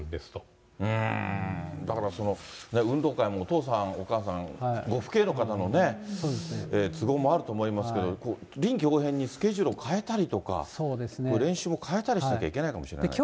だからその、運動も、お父さん、お母さん、ご父兄の方のね、都合もあると思いますけど、臨機応変にスケジュールを変えたりとか、練習も変えたりしなきゃいけないかもしれないですね。